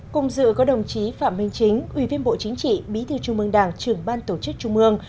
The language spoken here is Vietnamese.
cùng dự có đồng chí phạm minh chính ủy viên bộ chính trị bí thư trung mương đảng trưởng ban tổ chức trung mương